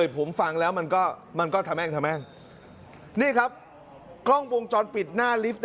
ผมฟังแล้วมันก็ทำแม่งนี่ครับกล้องวงจรปิดหน้าลิฟท์